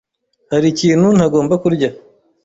Hari ikintu ntagomba kurya?